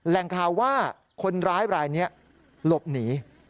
แหล่งข่าวว่าคนร้ายรายนี้หลบหนี